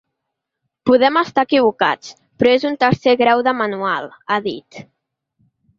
Podem estar equivocats, però és un tercer grau de manual, ha dit.